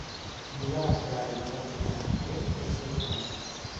Mula de frare i matxo de rector, tots dos grassos.